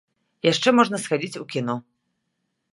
Яшчэ можна схадзіць у кіно.